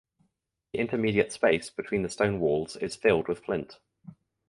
The intermediate space between the stone walls is filled with flint.